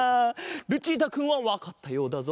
ルチータくんはわかったようだぞ。